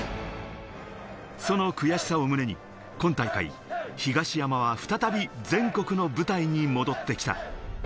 その悔しさを胸に、今大会、東山は再び全国の舞台に戻ってきた。